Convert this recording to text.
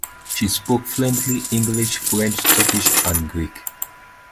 She spoke fluently English, French, Turkish and Greek.